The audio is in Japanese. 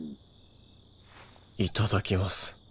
いただきます。